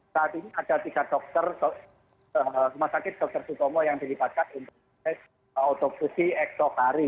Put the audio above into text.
saat ini ada tiga rumah sakit dr sutomo yang dilipatkan untuk proses otopsi esok hari